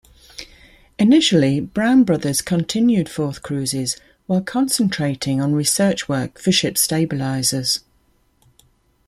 Initially, Brown Brothers continued Forth cruises, while concentrating on research work for ship stabilisers.